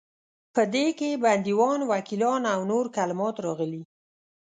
په دې کې بندیوان، وکیلان او نور کلمات راغلي.